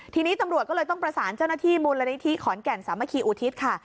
ทีนี้ตำรวจก็เลยต้องประสานเจ้าหน้าที่มูลนิธิขอนแก่นสามัคคีอุทิศค่ะ